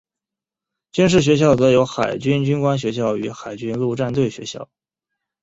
军事学校则有海军军官学校与海军陆战队学校。